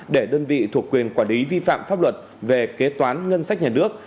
để đơn vị thuộc quyền quản lý vi phạm pháp luật về kế toán ngân sách nhà nước